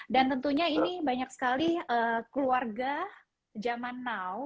dan tentunya ini banyak sekali keluarga zaman now